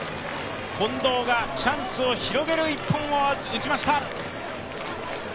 近藤がチャンスを広げる一本を打ちました。